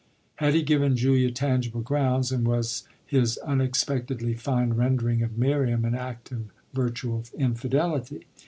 Had he given Julia tangible grounds and was his unexpectedly fine rendering of Miriam an act of virtual infidelity?